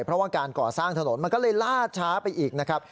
เพราะว่าการก่อสร้างถนนมันก็เลยล่าช้าไปอีกนะครับ